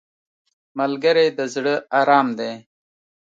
ملګری د زړه ارام دی